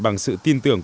bằng sự tin tưởng